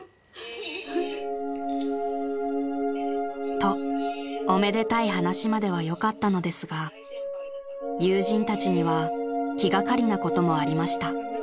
［とおめでたい話まではよかったのですが友人たちには気掛かりなこともありました］